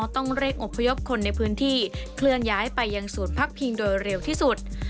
ต้องเร่งอบพยพคนในพื้นที่เคลื่อนย้ายไปยังศูนย์พักพิงโดยเร็วที่สุด